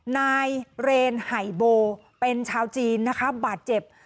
นายเรนไห่โบเป็นชาวจีนนะคะบาดเจ็บ